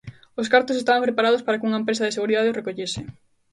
Os cartos estaban preparados para que unha empresa de seguridade os recollese.